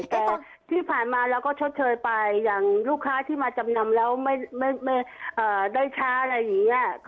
แต่ที่ผ่านมาเราก็ชดเชยไปอย่างลูกค้าที่มาจำนำแล้วไม่ได้ช้าอะไรอย่างนี้